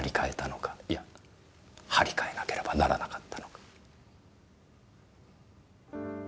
いや張り替えなければならなかったのか？